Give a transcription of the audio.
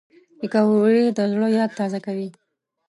پکورې د زړه یاد تازه کوي